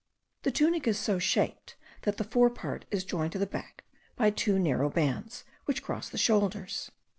The tunic is so shaped, that the fore part is joined to the back by two narrow bands, which cross the shoulders.